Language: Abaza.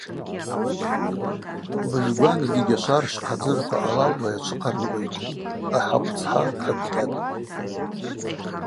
Быжгван йгьи Гьашвар щхъа дзыгӏвква ъалалуа йачвыхъарамкӏва йхъу ахӏахъв цхӏа хӏыквкъьатӏ.